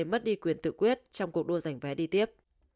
mất đi quyền tự quyết trong cuộc đua giành vé đi tiếp